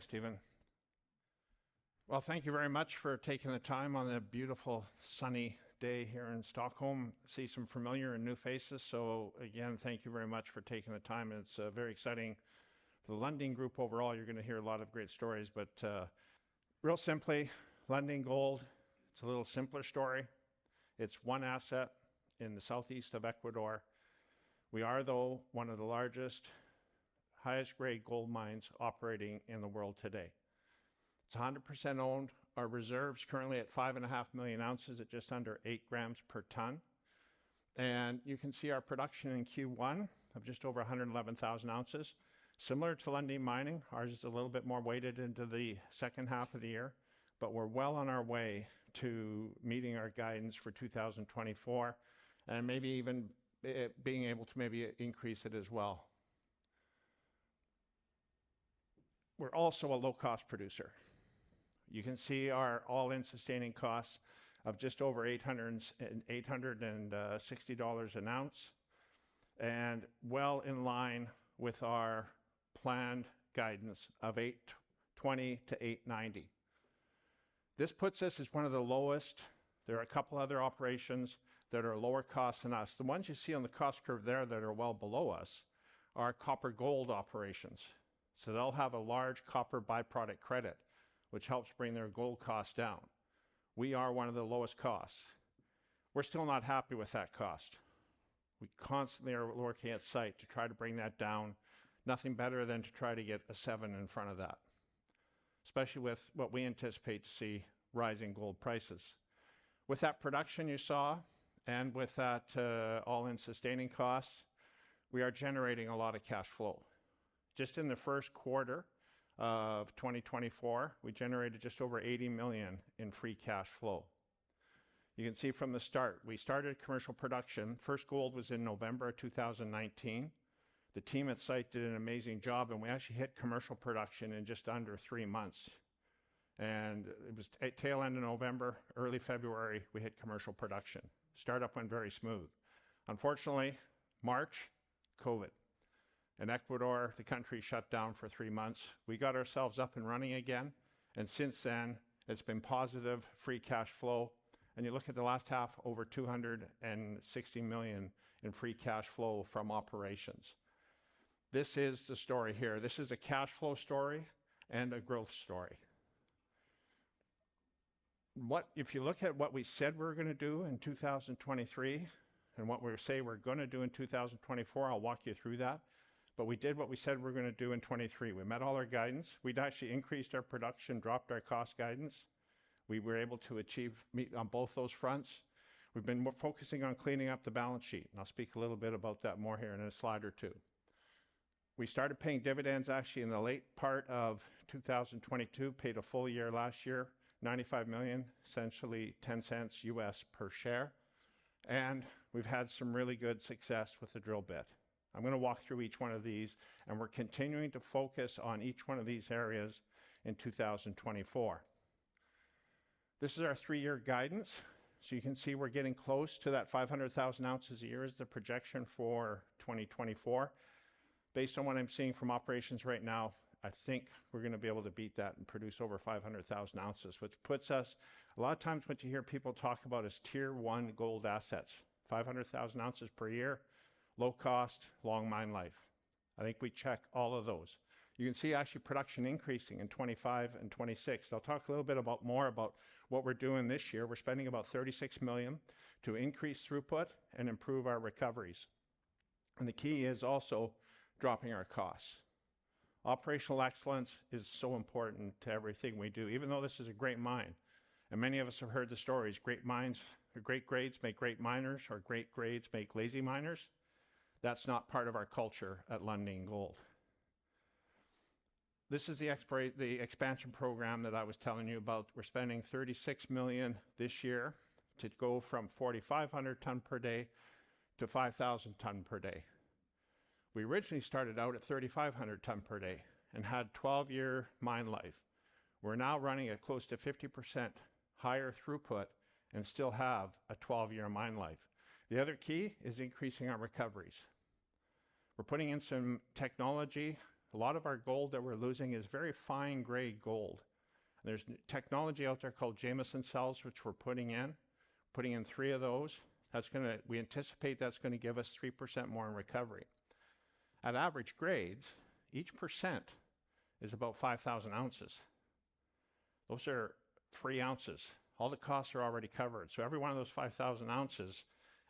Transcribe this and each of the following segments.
Thanks, Steven. Well, thank you very much for taking the time on a beautiful, sunny day here in Stockholm. I see some familiar and new faces, so again, thank you very much for taking the time, and it's very exciting. The Lundin Group overall, you're gonna hear a lot of great stories, but real simply, Lundin Gold, it's a little simpler story. It's one asset in the southeast of Ecuador. We are, though, one of the largest, highest grade gold mines operating in the world today. It's 100% owned. Our reserves currently at 5.5 million ounces at just under 8 grams per tonne. And you can see our production in Q1 of just over 111,000 ounces. Similar to Lundin Mining, ours is a little bit more weighted into the second half of the year, but we're well on our way to meeting our guidance for 2024 and maybe even being able to maybe increase it as well. We're also a low-cost producer. You can see our all-in sustaining costs of just over $860 an ounce, and well in line with our planned guidance of $820-$890. This puts us as one of the lowest. There are a couple other operations that are lower cost than us. The ones you see on the cost curve there that are well below us are copper-gold operations, so they'll have a large copper by-product credit, which helps bring their gold cost down. We are one of the lowest costs. We're still not happy with that cost. We constantly are working at site to try to bring that down. Nothing better than to try to get a seven in front of that, especially with what we anticipate to see rising gold prices. With that production you saw and with that, all-in sustaining costs, we are generating a lot of cash flow. Just in the first quarter of 2024, we generated just over $80 million in free cash flow. You can see from the start, we started commercial production, first gold was in November of 2019. The team at site did an amazing job, and we actually hit commercial production in just under three months, and it was at tail end of November, early February, we hit commercial production. Startup went very smooth. Unfortunately, March, COVID. In Ecuador, the country shut down for three months. We got ourselves up and running again, and since then, it's been positive free cash flow, and you look at the last half, over $260 million in free cash flow from operations. This is the story here. This is a cash flow story and a growth story. What... If you look at what we said we were gonna do in 2023 and what we say we're gonna do in 2024, I'll walk you through that, but we did what we said we were gonna do in 2023. We met all our guidance. We'd actually increased our production, dropped our cost guidance. We were able to achieve, meet on both those fronts. We've been more focusing on cleaning up the balance sheet, and I'll speak a little bit about that more here in a slide or two. We started paying dividends actually in the late part of 2022, paid a full year last year, $95 million, essentially $0.10 per share, and we've had some really good success with the drill bit. I'm gonna walk through each one of these, and we're continuing to focus on each one of these areas in 2024. This is our three-year guidance, so you can see we're getting close to that 500,000 ounces a year is the projection for 2024. Based on what I'm seeing from operations right now, I think we're gonna be able to beat that and produce over 500,000 ounces, which puts us... A lot of times what you hear people talk about is tier one gold assets, 500,000 ounces per year, low cost, long mine life. I think we check all of those. You can see actually production increasing in 2025 and 2026. I'll talk a little bit about more about what we're doing this year. We're spending about $36 million to increase throughput and improve our recoveries, and the key is also dropping our costs. Operational excellence is so important to everything we do, even though this is a great mine, and many of us have heard the stories, great mines or great grades make great miners or great grades make lazy miners. That's not part of our culture at Lundin Gold. This is the expansion program that I was telling you about. We're spending $36 million this year to go from 4,500 tonnes per day to 5,000 tonnes per day. We originally started out at 3,500 tonnes per day and had 12-year mine life. We're now running at close to 50% higher throughput and still have a 12-year mine life. The other key is increasing our recoveries. We're putting in some technology. A lot of our gold that we're losing is very fine-grained gold. There's technology out there called Jameson Cells, which we're putting in, putting in 3 of those. We anticipate that's gonna give us 3% more in recovery. At average grades, each percent is about 5,000 ounces. Those are 3 ounces. All the costs are already covered, so every one of those 5,000 ounces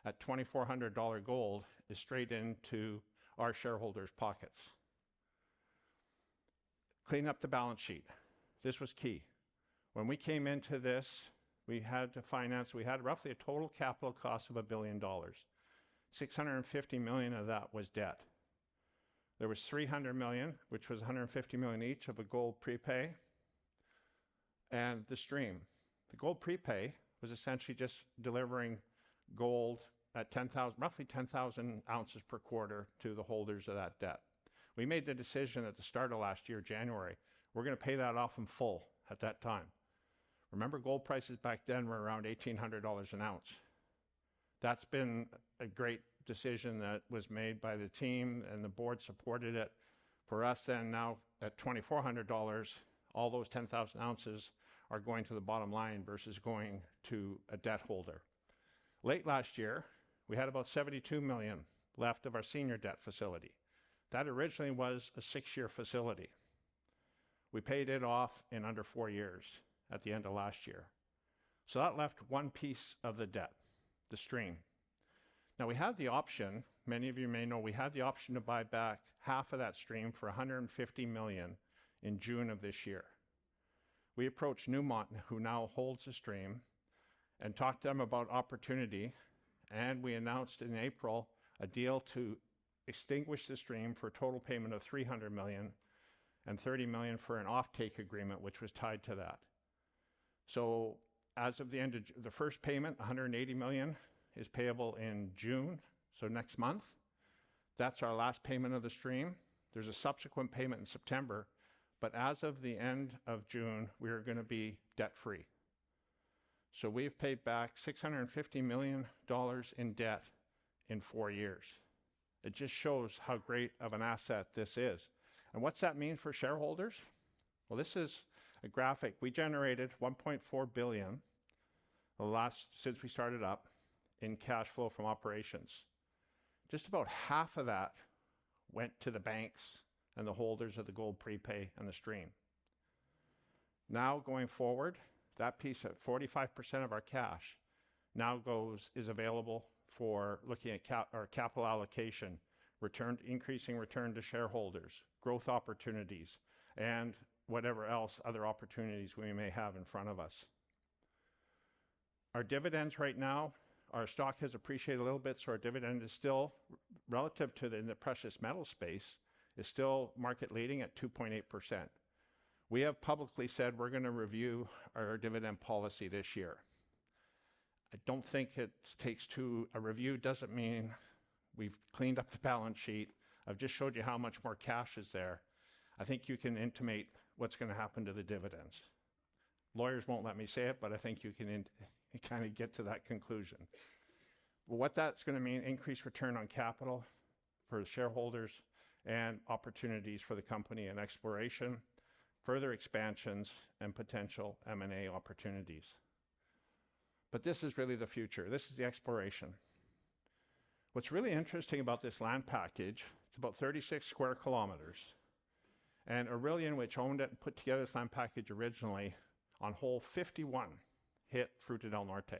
at $2,400 dollar gold is straight into our shareholders' pockets. Cleaning up the balance sheet, this was key. When we came into this, we had to finance... We had roughly a total capital cost of $1 billion. $650 million of that was debt. There was $300 million, which was $150 million each of a gold prepay and the stream. The gold prepay was essentially just delivering gold at 10,000, roughly 10,000 ounces per quarter to the holders of that debt. We made the decision at the start of last year, January, we're gonna pay that off in full at that time. Remember, gold prices back then were around $1,800 an ounce. That's been a great decision that was made by the team, and the board supported it. For us then, now at $2,400, all those 10,000 ounces are going to the bottom line versus going to a debt holder. Late last year, we had about $72 million left of our senior debt facility. That originally was a six-year facility. We paid it off in under four years at the end of last year. So that left one piece of the debt, the stream. Now, we had the option, many of you may know, we had the option to buy back half of that stream for $150 million in June of this year. We approached Newmont, who now holds the stream, and talked to them about opportunity, and we announced in April a deal to extinguish the stream for a total payment of $300 million and $30 million for an offtake agreement, which was tied to that. So as of the end of June. The first payment, $180 million, is payable in June, so next month. That's our last payment of the stream. There's a subsequent payment in September, but as of the end of June, we are gonna be debt-free. So we've paid back $650 million in debt in four years. It just shows how great of an asset this is. And what's that mean for shareholders? Well, this is a graphic. We generated $1.4 billion since we started up, in cash flow from operations. Just about half of that went to the banks and the holders of the gold prepay and the stream. Now, going forward, that piece, at 45% of our cash, now goes... is available for looking at cap, our capital allocation, return, increasing return to shareholders, growth opportunities, and whatever else, other opportunities we may have in front of us. Our dividends right now, our stock has appreciated a little bit, so our dividend is still, relative to the, the precious metal space, is still market leading at 2.8%. We have publicly said we're gonna review our dividend policy this year. I don't think it takes two... A review doesn't mean we've cleaned up the balance sheet. I've just showed you how much more cash is there. I think you can intuit what's gonna happen to the dividends. Lawyers won't let me say it, but I think you can in, kind of get to that conclusion. What that's gonna mean, increased return on capital for the shareholders and opportunities for the company in exploration, further expansions, and potential M&A opportunities. But this is really the future. This is the exploration. What's really interesting about this land package, it's about 36 square kilometers, and Aurelian, which owned it and put together this land package originally, on hole 51, hit Fruta del Norte.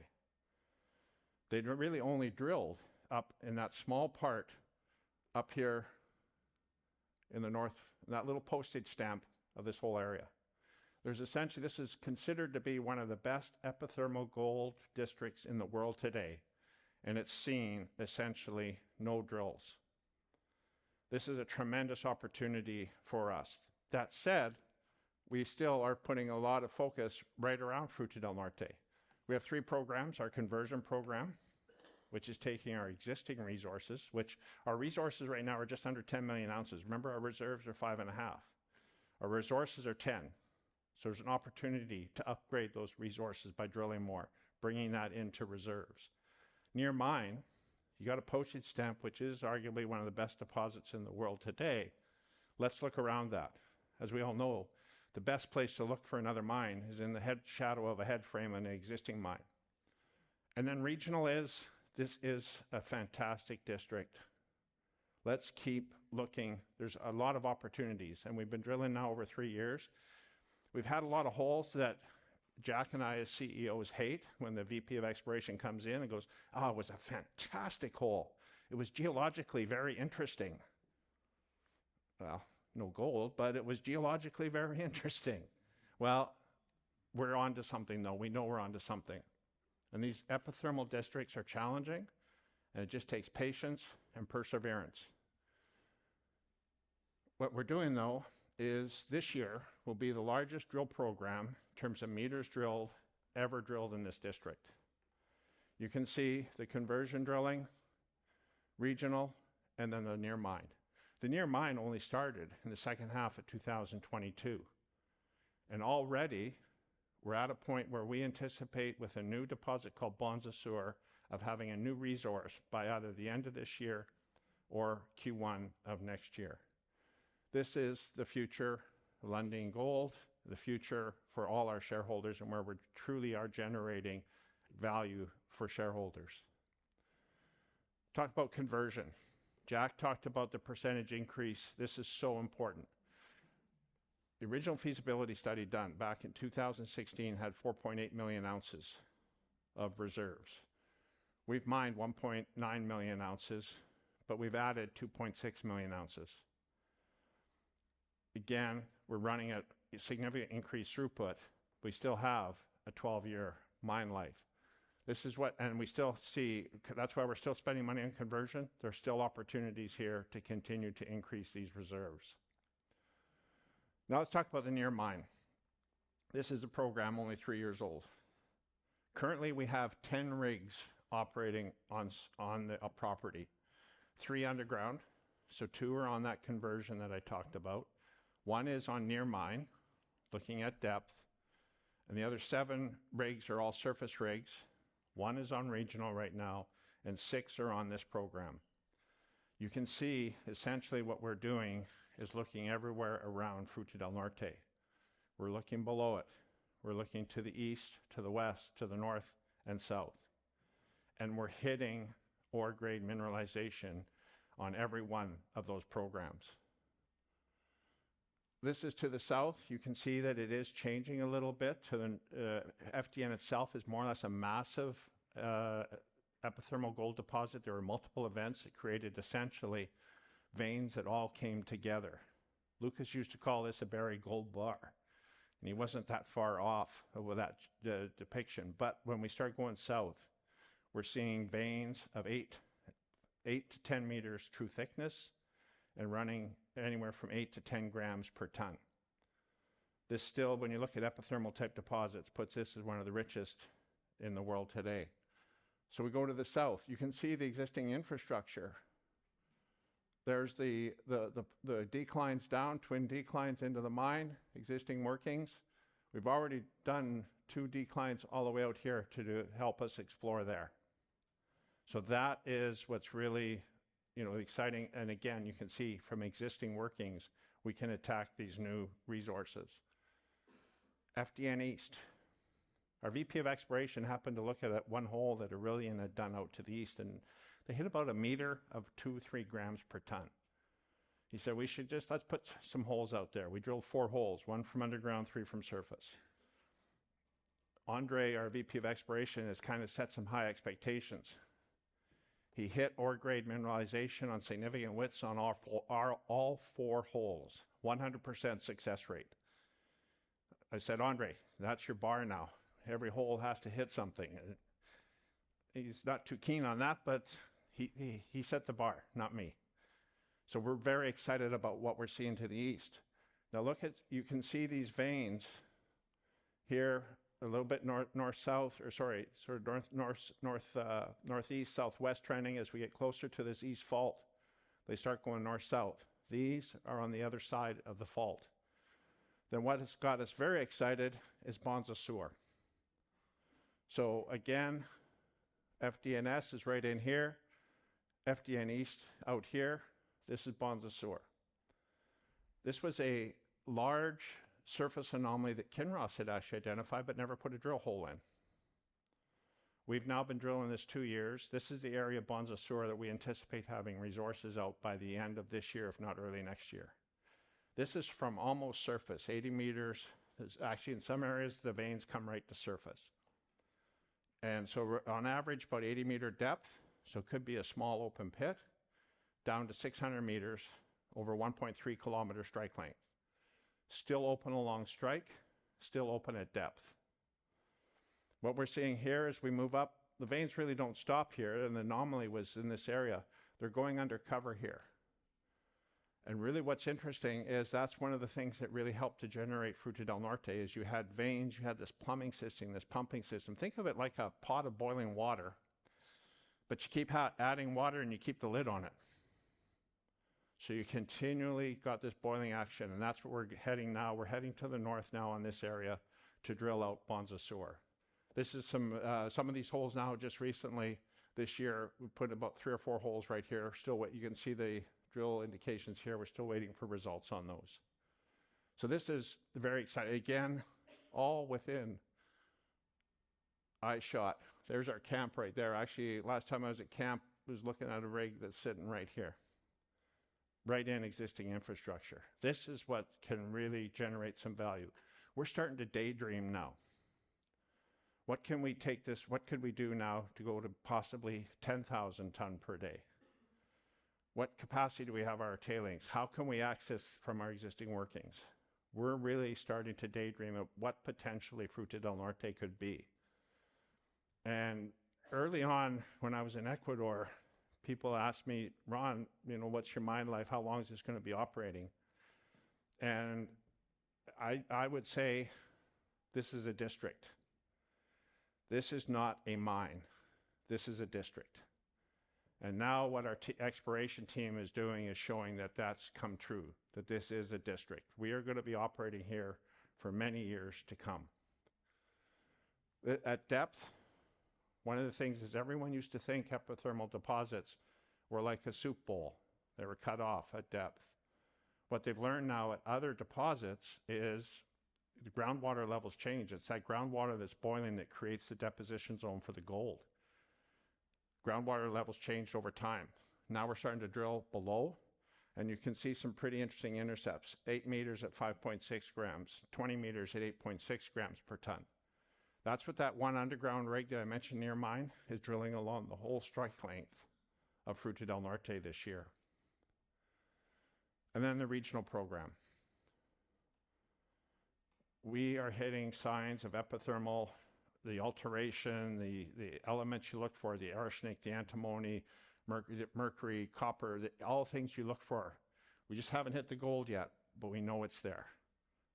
They really only drilled up in that small part up here in the north, that little postage stamp of this whole area. There's essentially this is considered to be one of the best epithermal gold districts in the world today, and it's seen essentially no drills. This is a tremendous opportunity for us. That said, we still are putting a lot of focus right around Fruta del Norte. We have three programs: our conversion program, which is taking our existing resources, which our resources right now are just under 10 million ounces. Remember, our reserves are 5.5. Our resources are 10, so there's an opportunity to upgrade those resources by drilling more, bringing that into reserves. Near mine, you got a postage stamp, which is arguably one of the best deposits in the world today. Let's look around that. As we all know, the best place to look for another mine is in the shadow of a headframe in an existing mine. And then regional is, this is a fantastic district. Let's keep looking. There's a lot of opportunities, and we've been drilling now over three years. We've had a lot of holes that Jack and I as CEOs hate, when the VP of exploration comes in and goes, "Ah, it was a fantastic hole. It was geologically very interesting. Well, no gold, but it was geologically very interesting." Well, we're onto something, though. We know we're onto something, and these epithermal districts are challenging, and it just takes patience and perseverance. What we're doing, though, is this year will be the largest drill program, in terms of meters drilled, ever drilled in this district. You can see the conversion drilling, regional, and then the near mine. The near mine only started in the second half of 2022, and already we're at a point where we anticipate, with a new deposit called Bonza Sur, of having a new resource by either the end of this year or Q1 of next year. This is the future of Lundin Gold, the future for all our shareholders, and where we're truly are generating value for shareholders. Talk about conversion. Jack talked about the percentage increase. This is so important. The original feasibility study done back in 2016 had 4.8 million ounces of reserves. We've mined 1.9 million ounces, but we've added 2.6 million ounces. Again, we're running at a significant increased throughput, we still have a 12-year mine life. This is what, and we still see, that's why we're still spending money on conversion. There's still opportunities here to continue to increase these reserves. Now, let's talk about the near mine. This is a program only three years old. Currently, we have 10 rigs operating on the property, three underground, so two are on that conversion that I talked about. One is on near mine, looking at depth and the other seven rigs are all surface rigs. One is on regional right now, and six are on this program. You can see essentially what we're doing is looking everywhere around Fruta del Norte. We're looking below it. We're looking to the east, to the west, to the north and south, and we're hitting ore grade mineralization on every one of those programs. This is to the south. You can see that it is changing a little bit to the FDN itself is more or less a massive epithermal gold deposit. There are multiple events that created essentially veins that all came together. Lucas used to call this a buried gold bar, and he wasn't that far off with that depiction. But when we start going south, we're seeing veins of 8-10 meters true thickness and running anywhere from 8-10 grams per ton. This still, when you look at epithermal type deposits, puts this as one of the richest in the world today. So we go to the south. You can see the existing infrastructure. There's the declines down, twin declines into the mine, existing workings. We've already done 2 declines all the way out here to help us explore there. So that is what's really, you know, exciting, and again, you can see from existing workings, we can attack these new resources. FDN East. Our VP of Exploration happened to look at that one hole that Aurelian had done out to the east, and they hit about a meter of 2-3 grams per ton. He said, "We should just—let's put some holes out there." We drilled four holes, one from underground, three from surface. Andre, our VP of Exploration, has kinda set some high expectations. He hit ore grade mineralization on significant widths on all four, all four holes, 100% success rate. I said, "Andre, that's your bar now. Every hole has to hit something," and he's not too keen on that, but he set the bar, not me. So we're very excited about what we're seeing to the east. Now, look at... You can see these veins here, a little bit north, north-south, or sorry, sort of north, north, north, northeast-southwest trending. As we get closer to this east fault, they start going north-south. These are on the other side of the fault. Then, what has got us very excited is Bonza Sur. So again, FDNS is right in here, FDN East out here. This is Bonza Sur. This was a large surface anomaly that Kinross had actually identified but never put a drill hole in. We've now been drilling this two years. This is the area of Bonza Sur that we anticipate having resources out by the end of this year, if not early next year. This is from almost surface, 80 meters. It's actually, in some areas, the veins come right to surface. And so we're on average about 80-meter depth, so it could be a small open pit, down to 600 meters, over 1.3 kilometer strike length. Still open along strike, still open at depth. What we're seeing here as we move up, the veins really don't stop here, and the anomaly was in this area. They're going undercover here. And really, what's interesting is that's one of the things that really helped to generate Fruta del Norte, is you had veins, you had this plumbing system, this pumping system. Think of it like a pot of boiling water, but you keep adding water, and you keep the lid on it. So you continually got this boiling action, and that's where we're heading now. We're heading to the north now on this area to drill out Bonza Sur. This is some, some of these holes now, just recently, this year, we put about three or four holes right here. Still, what you can see the drill indications here, we're still waiting for results on those. So this is very exciting. Again, all within eye shot. There's our camp right there. Actually, last time I was at camp, was looking at a rig that's sitting right here, right in existing infrastructure. This is what can really generate some value. We're starting to daydream now. What can we take this-- What could we do now to go to possibly 10,000 ton per day? What capacity do we have our tailings? How can we access from our existing workings? We're really starting to daydream of what potentially Fruta del Norte could be. Early on, when I was in Ecuador, people asked me, "Ron, you know, what's your mine life? How long is this gonna be operating?" I would say, "This is a district. This is not a mine, this is a district." Now what our exploration team is doing is showing that that's come true, that this is a district. We are gonna be operating here for many years to come. At depth, one of the things is everyone used to think epithermal deposits were like a soup bowl. They were cut off at depth. What they've learned now at other deposits is the groundwater levels change. It's that groundwater that's boiling that creates the deposition zone for the gold. Groundwater levels change over time. Now we're starting to drill below, and you can see some pretty interesting intercepts, 8 meters at 5.6 grams, 20 meters at 8.6 grams per ton. That's what that one underground rig that I mentioned near mine, is drilling along the whole strike length of Fruta del Norte this year. And then the regional program. We are hitting signs of epithermal, the alteration, the, the elements you look for, the arsenic, the antimony, mercury, mercury, copper, the... All things you look for. We just haven't hit the gold yet, but we know it's there,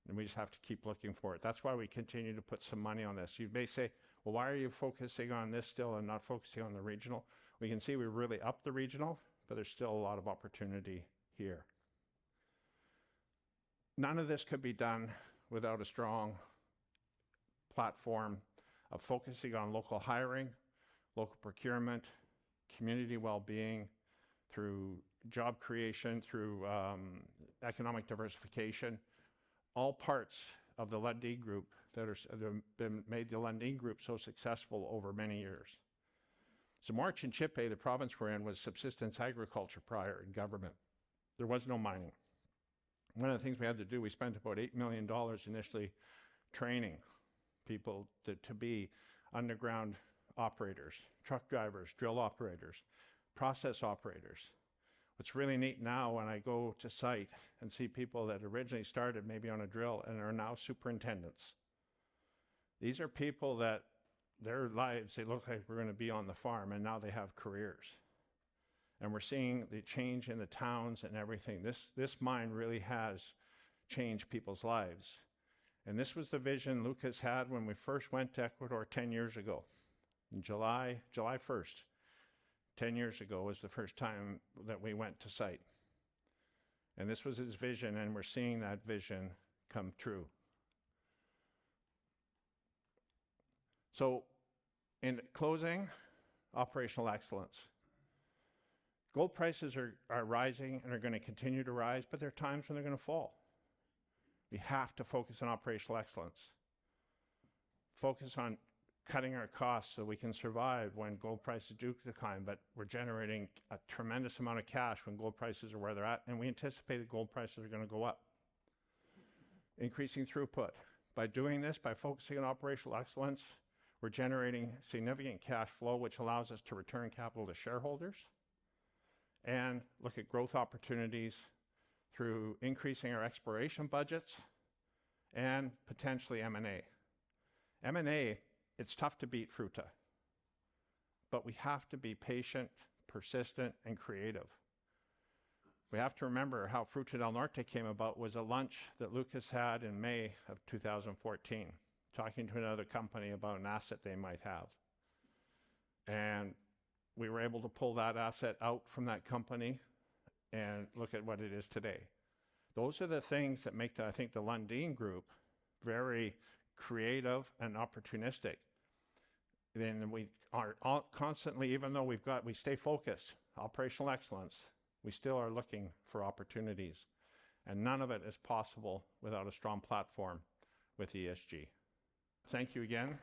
and we just have to keep looking for it. That's why we continue to put some money on this. You may say, "Well, why are you focusing on this still and not focusing on the regional?" We can see we've really upped the regional, but there's still a lot of opportunity here. None of this could be done without a strong platform of focusing on local hiring, local procurement, community well-being through job creation, through economic diversification, all parts of the Lundin Group that are, that made the Lundin Group so successful over many years. So Zamora-Chinchipe, the province we're in, was subsistence agriculture prior in government. There was no mining. One of the things we had to do, we spent about $8 million initially training people to be underground operators, truck drivers, drill operators, process operators. What's really neat now, when I go to site and see people that originally started maybe on a drill and are now superintendents, these are people that their lives, they looked like were gonna be on the farm, and now they have careers. And we're seeing the change in the towns and everything. This, this mine really has changed people's lives, and this was the vision Lucas had when we first went to Ecuador 10 years ago. In July, July 1st, 10 years ago, was the first time that we went to site, and this was his vision, and we're seeing that vision come true. So in closing, operational excellence. Gold prices are, are rising and are gonna continue to rise, but there are times when they're gonna fall. We have to focus on operational excellence, focus on cutting our costs so we can survive when gold prices do decline. But we're generating a tremendous amount of cash when gold prices are where they're at, and we anticipate that gold prices are gonna go up. Increasing throughput. By doing this, by focusing on operational excellence, we're generating significant cash flow, which allows us to return capital to shareholders and look at growth opportunities through increasing our exploration budgets and potentially M&A. M&A, it's tough to beat Fruta, but we have to be patient, persistent, and creative. We have to remember how Fruta del Norte came about was a lunch that Lucas had in May of 2014, talking to another company about an asset they might have, and we were able to pull that asset out from that company and look at what it is today. Those are the things that make the, I think, the Lundin Group very creative and opportunistic. Then we are all constantly, even though we've got, we stay focused, operational excellence, we still are looking for opportunities, and none of it is possible without a strong platform with ESG. Thank you again.